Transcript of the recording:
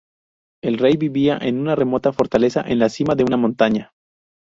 El rey vivía en una remota fortaleza en la cima de una montaña.